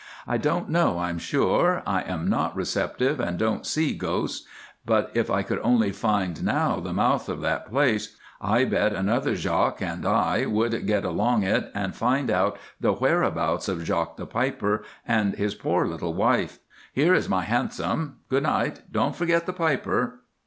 "I don't know, I'm sure; I am not receptive and don't see ghosts, but if I could only find now the mouth of that place, I bet another 'Jock' and I would get along it and find out the whereabouts of 'Jock the Piper' and his poor little wife. Here is my hansom. Good night, don't forget the Piper."